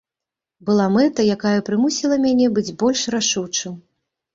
Была мэта, якая прымусіла мяне быць больш рашучым.